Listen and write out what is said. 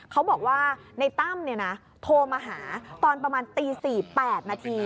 เขาบอกว่าในตั้มโทรมาหาตอนประมาณตี๔๘นาที